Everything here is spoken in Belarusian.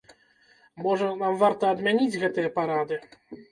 Можа, нам варта адмяніць гэтыя парады?